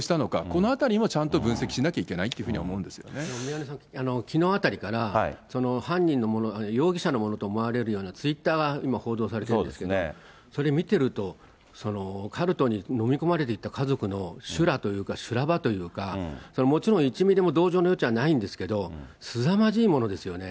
このあたりもちゃんと分析しなきゃいけないというふうに思うんできのうあたりから、犯人のもの、容疑者のものと思われるようなツイッターが今、報道されてるんですけど、それ見てると、カルトに飲み込まれていった家族の修羅というか、修羅場というか、それ、もちろん１ミリも同情の余地はないんですけど、すさまじいものですよね。